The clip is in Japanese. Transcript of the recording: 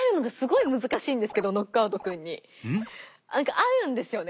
なんかあるんですよね